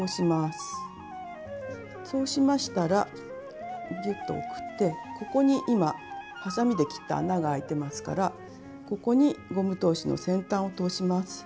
そうしましたらぎゅっと送ってここに今はさみで切った穴があいてますからここにゴム通しの先端を通します。